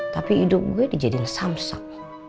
tapi hidup gue dijadikan samsak